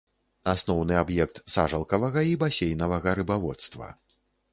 Асноўны аб'ект сажалкавага і басейнавага рыбаводства.